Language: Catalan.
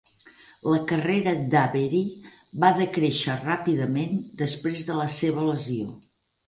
La carrera d' Avery va decréixer ràpidament després de la seva lesió.